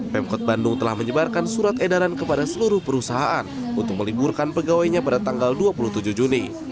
pemkot bandung telah menyebarkan surat edaran kepada seluruh perusahaan untuk meliburkan pegawainya pada tanggal dua puluh tujuh juni